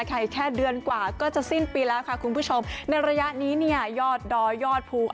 แค่เดือนกว่าก็จะสิ้นปีแล้วค่ะคุณผู้ชมในระยะนี้เนี่ยยอดดอยยอดภู